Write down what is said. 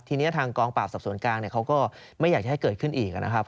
ทีนี้ถ้าทางกรองปราบสับสนกลางเนี่ยเขาก็ไม่อยากให้กันขึ้นอีกอ่ะนะครับ